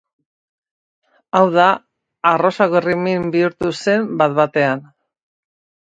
Hau da, arrosa gorrimin bihurtu zen bat-batean.